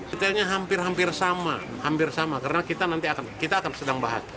detailnya hampir hampir sama karena kita akan sedang bahas